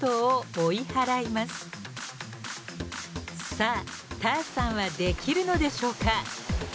さあＴａｒさんはできるのでしょうか？